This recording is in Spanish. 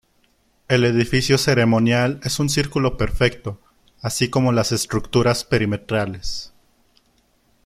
El edificio ceremonial es un círculo perfecto así como las estructuras perimetrales.